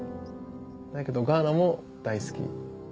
だけどガーナも大好き。